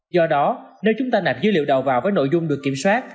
do đó nếu chúng ta nạp dữ liệu đầu vào với nội dung được kiểm soát